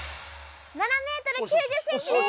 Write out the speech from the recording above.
７ｍ９０ｃｍです！